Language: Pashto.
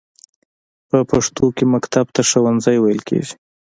په پښتو کې مکتب ته ښوونځی ویل کیږی.